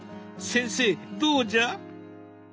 先生どうじゃ？